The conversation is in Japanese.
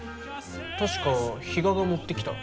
確か比嘉が持ってきた。